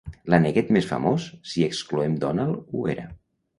L'aneguet més famós, si excloem Donald, ho era.